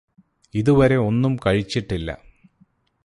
ഇത് വരെ ഒന്നും കഴിച്ചിട്ടില്ല